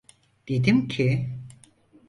Dedim ki…